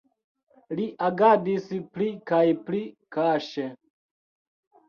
Li agadis pli kaj pli kaŝe.